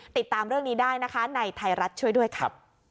ติดตามเรื่องนี้ได้นะคะในไทยรัฐช่วยด้วยค่ะ